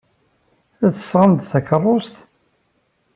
I tesɣem-d takeṛṛust?